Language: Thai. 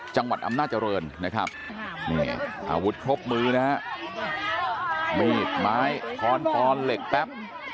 จังหวัดอำนาจริงนะครับนี่อาวุธครบมือนะฮะมีดไม้คอนปอนเหล็กแป๊บ